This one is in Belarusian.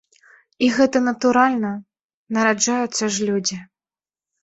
І гэта натуральна, нараджаюцца ж людзі.